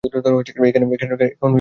এখন সবাই এটা চায়।